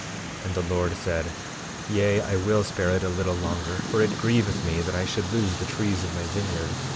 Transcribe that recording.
5:51 And the Lord said: Yea, I will spare it a little longer, for it grieveth me that I should lose the trees of my vineyard.